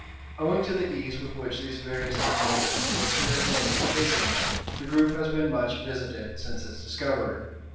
Owing to the ease with which these various animals were here formerly taken, the group has been much visited since its discovery.